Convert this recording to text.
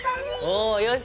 おおよし！